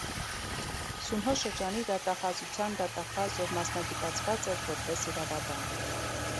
Սունհո շրջանի դատախազության դատախազ, ով մասնագիտացված էր, որպես իրավաբան։